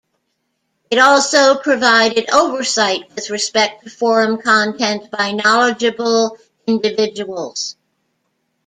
It also provided oversight with respect to forum content by knowledgeable individuals.